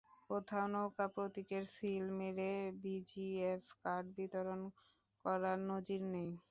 কোথাও নৌকা প্রতীকের সিল মেরে ভিজিএফ কার্ড বিতরণ করার নজির নেই।